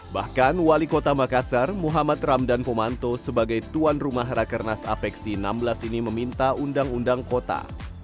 bahkan wali kota makassar muhammad ramdan pomanto sebagai tuan rumah rakernas apexi enam belas ini meminta undang undang kota